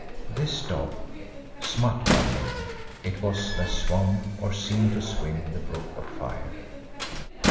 This dog, Smut by name, it was that swam or seemed to swim the brook of fire.